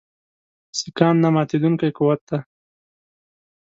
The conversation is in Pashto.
سیکهان نه ماتېدونکی قوت دی.